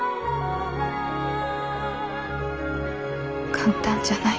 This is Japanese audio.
簡単じゃない。